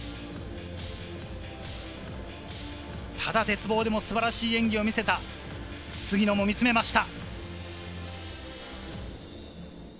ただ鉄棒でも素晴らしい演技を見せた杉野も見つめました。